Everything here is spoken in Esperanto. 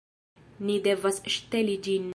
Ni devas ŝteli ĝin